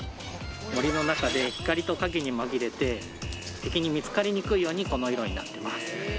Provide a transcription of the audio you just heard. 森の中で光と影に紛れて敵に見つかりにくいようにこの色になってます